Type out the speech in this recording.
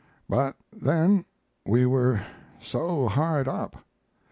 But then we were so hard up.